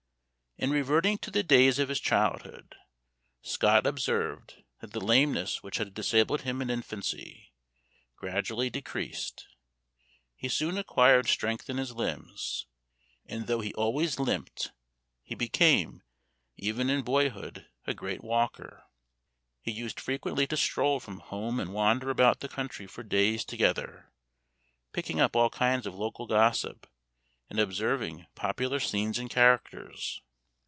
In reverting to the days of his childhood, Scott observed that the lameness which had disabled him in infancy gradually decreased; he soon acquired strength in his limbs, and though he always limped, he became, even in boyhood, a great walker. He used frequently to stroll from home and wander about the country for days together, picking up all kinds of local gossip, and observing popular scenes and characters.